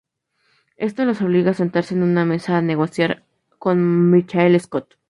Esto los obliga a sentarse en una mesa a negociar con Michael Scott.